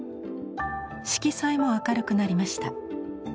色彩も明るくなりました。